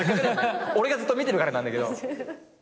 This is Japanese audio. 俺がずっと見てるからなんだけど。